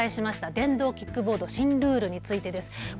電動キックボード、新ルールについてです。